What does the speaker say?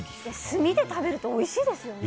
炭で食べるとおいしいですよね。